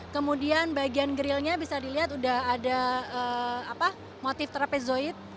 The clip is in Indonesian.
kemudian bagian grillnya bisa dilihat sudah ada motif terapezoid